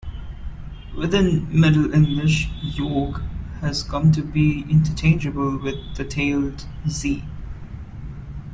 Within Middle English, yogh has come to be interchangeable with the tailed z.